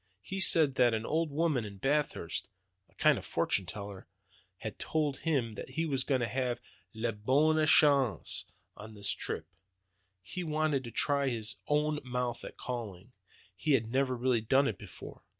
He said that an old woman in Bathurst, a kind of fortune teller, had told him that he was going to have 'la bonne chance' on this trip. He wanted to try his own mouth at 'calling.' He had never really done it before.